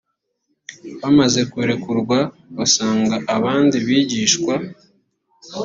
bamaze kurekurwa basanga abandi bigishwa .